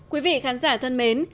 quý vị khán giả thân mến